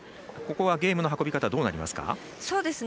ここはゲームの運び方はどうなりますか？